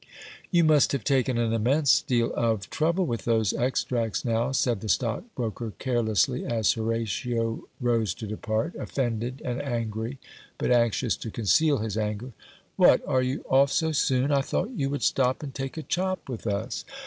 "You must have taken an immense deal of trouble with those extracts, now," said the stockbroker carelessly, as Horatio rose to depart, offended and angry, but anxious to conceal his anger. "What, are you off so soon? I thought you would stop and take a chop with us."